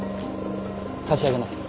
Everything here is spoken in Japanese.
差し上げます。